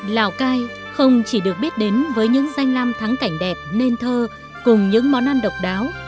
lào cai không chỉ được biết đến với những danh lam thắng cảnh đẹp nên thơ cùng những món ăn độc đáo